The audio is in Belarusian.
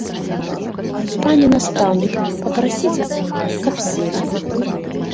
Пане настаўнік, папрасіце, каб селі.